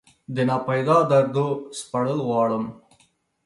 دناپیدا دردو سپړل غواړم